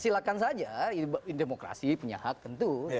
silahkan saja ini demokrasi punya hak tentu